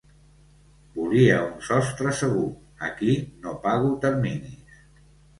Volia un sostre segur: aquí no pago terminis.